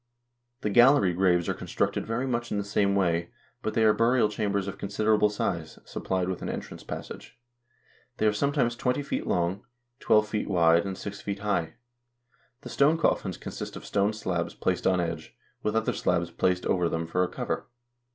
The gallery graves are constructed very much in the same way, but they are burial chambers of considerable size, supplied with an entrance passage. They are sometimes twenty feet long, twelve feet wide, and six feet high. The stone coffins consist of stone slabs placed on edge, with other slabs placed over them for a cover.